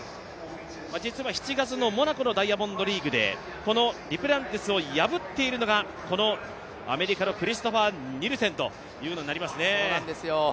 実は７月のモナコのダイヤモンドリーグでこのデュプランティスを破っているのがこのアメリカのクリストファー・ニルセンということになりますね。